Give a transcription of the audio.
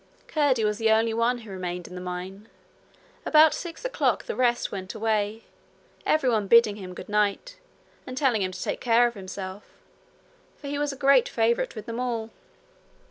Curdie was the only one who remained in the mine. About six o'clock the rest went away, everyone bidding him good night, and telling him to take care of himself; for he was a great favourite with them all.